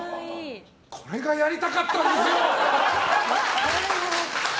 これがやりたかったんですよ！